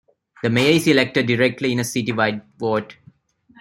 The mayor is elected directly in a citywide vote.